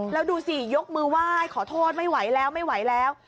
แล้วดูสิยกมือไหว้ขอโทษไม่ไหวแล้ว